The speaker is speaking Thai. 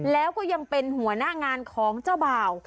แล้วก็ยังเป็นหัวหน้างานของเจ้าบ่าว